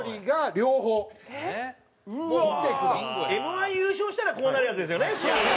Ｍ−１優勝したらこうなるやつですよね？